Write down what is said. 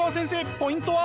ポイントは？